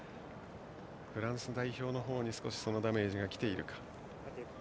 フランス代表のほうに少しそのダメージがきているか。